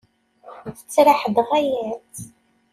Tettraḥ-d ɣaya-tt!